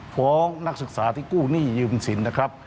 ฟ้องนักศึกษาที่กู้หนี้ยืมสินนะครับ